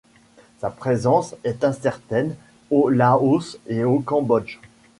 Sa présence est incertaine au Laos et au Cambodge.